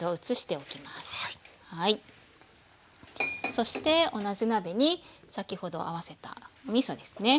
そして同じ鍋に先ほど合わせたおみそですね。